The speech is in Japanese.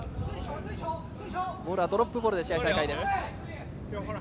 ボールはドロップボールで試合再開です。